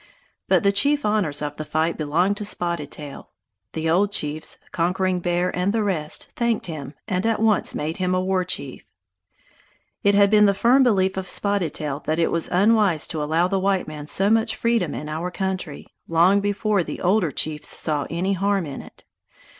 But the chief honors of the fight belonged to Spotted Tail. The old chiefs, Conquering Bear and the rest, thanked him and at once made him a war chief. It had been the firm belief of Spotted Tail that it was unwise to allow the white man so much freedom in our country, long before the older chiefs saw any harm in it.